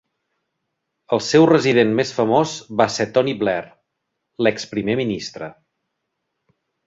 El seu resident més famós va ser Tony Blair, l'ex primer ministre.